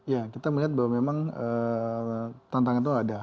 ya kita melihat bahwa memang tantangan itu ada